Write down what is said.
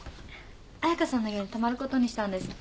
彩佳さんの家に泊まることにしたんですって。